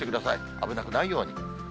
危なくないように。